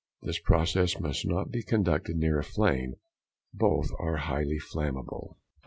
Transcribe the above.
This process must not be conducted near a flame, both are highly inflammable.